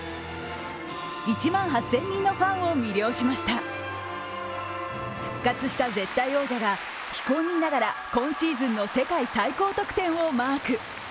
１万８０００人のファンを魅了しました復活した絶対王者が非公認ながら今シーズンの世界最高得点をマーク。